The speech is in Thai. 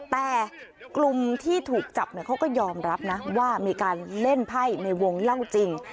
แต่กลุ่มที่ถูกจับเขาก็ยอมรับนะว่ามีการเล่นไพ่ในวงเล่าจริง